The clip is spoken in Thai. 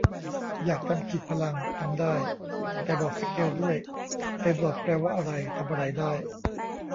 อยากทำขีดพลัง ทำได้ แต่บอกสเกลด้วย เต็มหลอดแปลว่าอะไร ทำอะไรได้